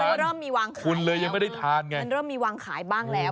มันเริ่มมีวางขายแล้วมันเริ่มมีวางขายบ้างแล้ว